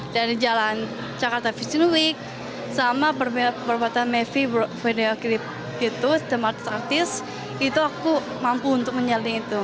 dari jalan jakarta fishing week sama perbuatan mevi video clip gitu the martyrs artists itu aku mampu untuk menyalin itu